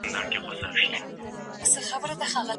د کورني نظام اشخاص خورا درانه مسئوليتونه لري.